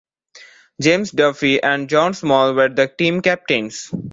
James Duffy and John Small were the team captains.